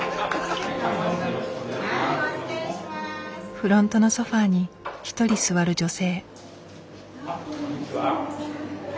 フロントのソファーに一人座る女性。